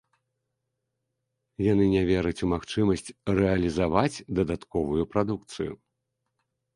Яны не вераць у магчымасць рэалізаваць дадатковую прадукцыю.